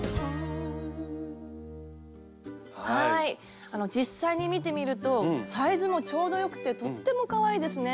はい実際に見てみるとサイズもちょうどよくてとってもかわいいですね。